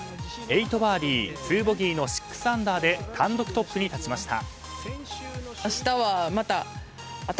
８バーディー２ボギーの６アンダーで単独トップに立ちました。